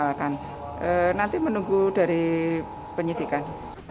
kita tidak akan dilakukan nanti menunggu dari penyitikan